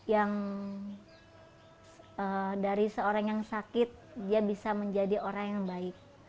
yang dari seorang yang sakit dia bisa menjadi orang yang baik